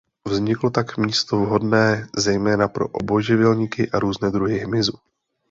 Vzniklo tak místo vhodné zejména pro obojživelníky a různé druhy hmyzu.